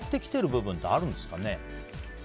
部分ってあるんですかね？